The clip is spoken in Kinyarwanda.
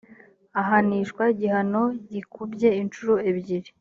ahanishwa igihano gikubye inshuro ebyiri